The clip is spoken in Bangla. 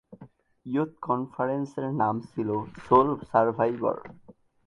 ইয়ুথ কনফারেন্সের নাম ছিল সোল সারভাইভর।